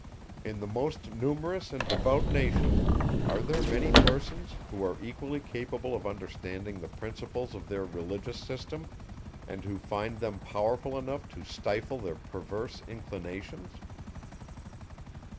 In the most numerous and devout nation, are there many persons, who are really capable of understanding the principles of their religious system, and who find them powerful enough to stifle their perverse inclinations?